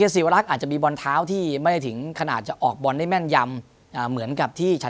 สีวรักษณ์อาจจะมีบอลเท้าที่ไม่ได้ถึงขนาดจะออกบอลได้แม่นยำ